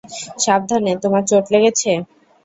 সাবধানে, তোমার চোট লেগেছে।